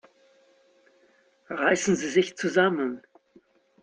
Reißen Sie sich zusammen!